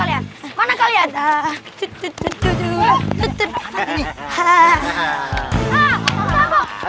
yuk kita tangkep mereka